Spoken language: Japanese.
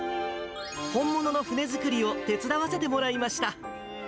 本物の船作りを手伝わせてもらいました。